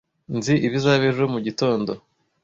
Nzi ibizaba ejo mugitondo.